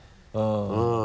うん。